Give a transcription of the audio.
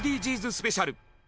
スペシャル。